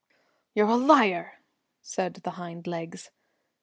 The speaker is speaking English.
"You're a liar!" said the hind legs.